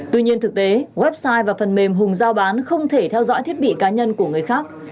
tuy nhiên thực tế website và phần mềm hùng giao bán không thể theo dõi thiết bị cá nhân của người khác